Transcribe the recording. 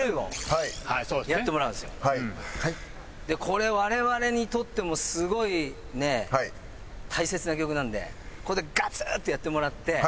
これ我々にとってもすごいね大切な曲なんでここでガツッとやってもらって。